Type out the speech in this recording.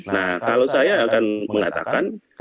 nah kalau saya akan mengatakan kenapa pemerintah itu